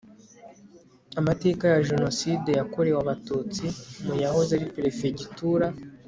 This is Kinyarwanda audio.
amateka ya jenoside yakorewe abatutsi mu yahoze ari perefegitura